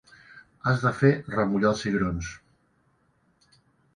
Has de fer remullar els cigrons.